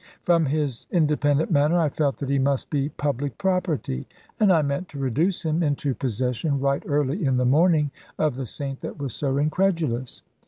From his independent manner I felt that he must be public property; and I meant to reduce him into possession right early in the morning of the Saint that was so incredulous.